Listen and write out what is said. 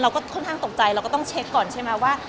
ค่อนข้างตกใจเราก็ต้องเช็คก่อนใช่ไหมว่า